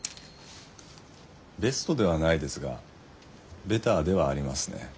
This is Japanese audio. ベストではないですがベターではありますね。